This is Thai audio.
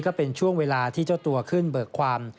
ก็เป็นช่วงเวลาที่เจ้าตัวขึ้นเบิกความ